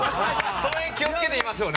その辺気をつけましょうね。